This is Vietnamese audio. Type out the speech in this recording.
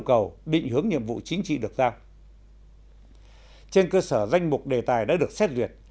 cầu định hướng nhiệm vụ chính trị được giao trên cơ sở danh mục đề tài đã được xét duyệt